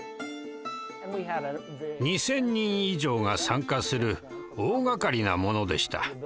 ２，０００人以上が参加する大がかりなものでした。